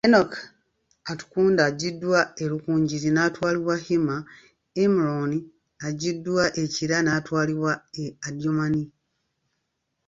Enock Atukunda aggyiddwa e Rukungiri natwalibwa Hima, Emuron aggyiddwa e Kira naatwalibwa e Adjumani.